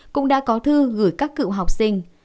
cũng đã có thư gửi các cựu học sinh